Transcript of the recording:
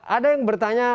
ada yang bertanya